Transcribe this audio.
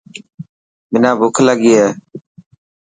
منا بک لگي هي.